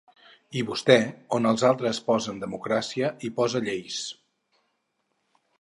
I vostè, on els altres posem democràcia, hi posa lleis.